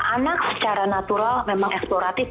anak secara natural memang eksploratif